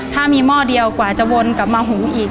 ถ้ามีหม้อเดียวกว่าจะวนกลับมาหูอีก